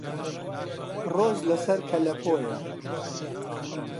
ڕۆژ لە سەر کەلەپۆیە